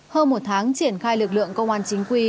hơn một tháng triển khai lực lượng công an chính quy